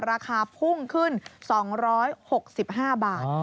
ราคาพุ่งขึ้น๒๖๕บาท